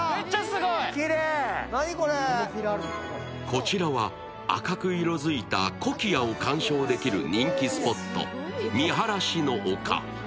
こちらは赤く色づいたコキアを鑑賞できる人気スポット、みはらしの丘。